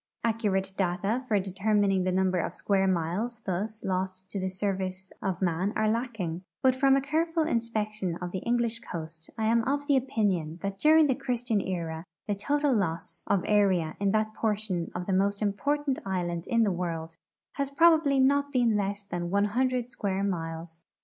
Accurate data for determining the number of square miles thus lost to the service of man are lacking, but from a careful inspection of the English coast I am of the opinion that during the Christian era the total loss of area in that portion of the most important island in the world has probably been not less than one hundred square miles.